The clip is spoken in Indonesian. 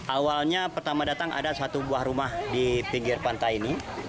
awalnya pertama datang ada satu buah rumah di pinggir pantai ini